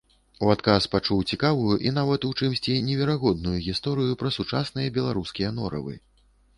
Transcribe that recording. У адказ пачуў цікавую і нават у чымсьці неверагодную гісторыю пра сучасныя беларускія норавы.